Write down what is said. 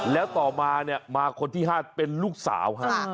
แล้วต่อมามาคนที่ห้าเป็นลูกสาวค่ะ